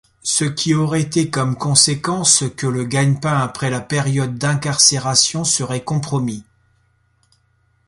Ce qui aurait comme conséquence que le gagne-pain après la période d'incarcération serait compromis.